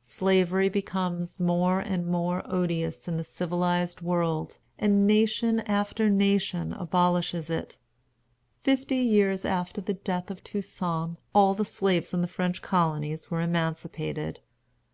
Slavery becomes more and more odious in the civilized world, and nation after nation abolishes it. Fifty years after the death of Toussaint all the slaves in the French colonies were emancipated.